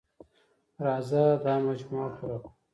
راځه دا مجموعه پوره کړو.